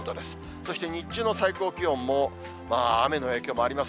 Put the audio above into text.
そして日中の最高気温も、まあ、雨の影響もあります。